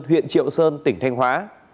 huyện triệu sơn tỉnh thanh hóa